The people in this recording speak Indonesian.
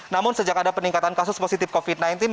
namun sejak ada peningkatan kasus positif covid sembilan belas